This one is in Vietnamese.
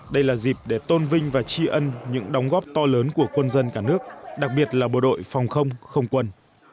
hai nghìn một mươi tám đây là dịp để tôn vinh và tri ân những đóng góp to lớn của quân dân cả nước đặc biệt là bộ đội phòng không không quân